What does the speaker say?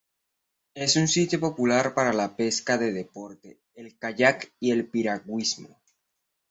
Es un sitio popular para la pesca de deporte, el kayak y el piragüismo.